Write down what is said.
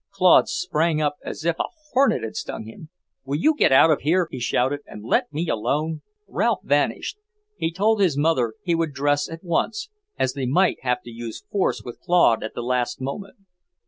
Claude sprang up as if a hornet had stung him. "Will you get out of here," he shouted, "and let me alone?" Ralph vanished. He told his mother he would dress at once, as they might have to use force with Claude at the last moment.